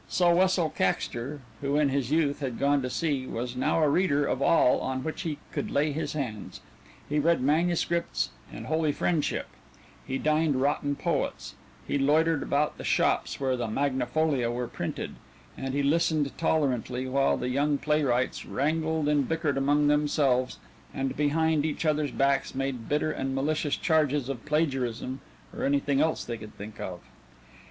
So Wessel Caxter (who in his youth had gone to sea) was now a reader of all on which he could lay his hands he read manuscripts in holy friendship; he dined rotten poets; he loitered about the shops where the Magna Folia were printed, and he listened tolerantly while the young playwrights wrangled and bickered among them selves, and behind each other's backs made bitter and malicious charges of plagiarism or anything else they could think of.